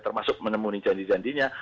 termasuk menemuni janji janjinya